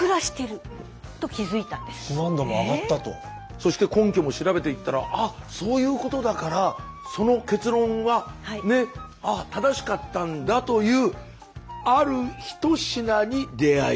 そして根拠も調べていったらあっそういうことだからその結論は正しかったんだというある一品に出会います。